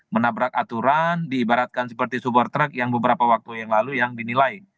menabrak aturan diibaratkan seperti super truck yang beberapa waktu yang lalu yang dinilai